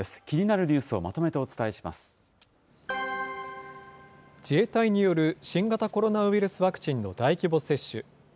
気になるニュースをまとめてお伝自衛隊による新型コロナウイルスワクチンの大規模接種。